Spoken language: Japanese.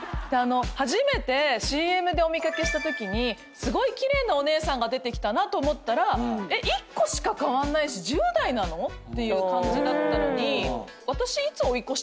初めてＣＭでお見掛けしたときに奇麗なお姉さんが出てきたなと思ったら１個しか変わんないし１０代なの⁉っていう感じだったのに。